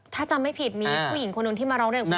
ถ้าจำไม่ผิดมีผู้หญิงคนหนึ่งที่มาร้องเรียนกับคุณ